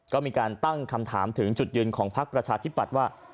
ก็มีการตั้งคำถามถึงจุดยืนของพักประชาธิปัตย์ว่า